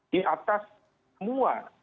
di atas semua